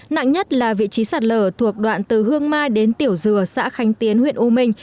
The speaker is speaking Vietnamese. nặng nhất là vị trí sạt lở thuộc đoạn từ hương mai đến tiểu dừa xã khánh tiến huyện u minh